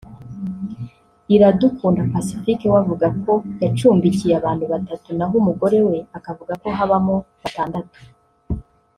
Iradukunda Pacifique we avuga ko yacumbikiye abantu batatu naho umugore we akavuga ko habamo batandatu